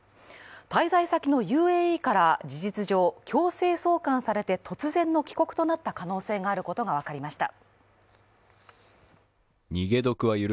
滞在先のＵＡＥから事実上強制送還されて突然の帰国となった可能性があることが分かりました。